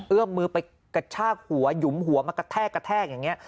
เอื้อมมือไปกระชากหัวหยุมหัวมากระแทกกระแทกอย่างนี้